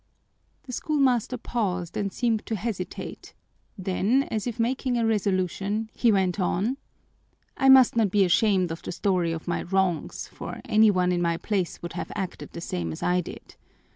The schoolmaster paused and seemed to hesitate, then, as if making a resolution, he went on: "I must not be ashamed of the story of my wrongs, for any one in my place would have acted the same as I did.